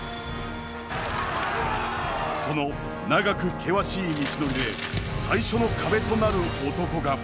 その長く険しい道のりで最初の壁となる男が。